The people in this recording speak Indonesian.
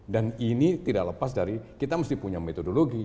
ini tidak lepas dari kita mesti punya metodologi